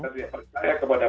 tidak percaya kepada